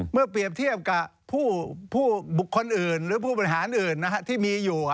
เมื่อเปรียบเทียบกับผู้บุคคลอื่นหรือผู้บริหารอื่นที่มีอยู่